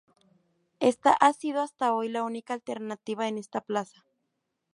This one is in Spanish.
Ésta ha sido hasta hoy la única alternativa en esta plaza.